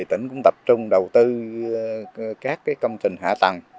tỉnh cũng tập trung đầu tư các công trình hạ tầng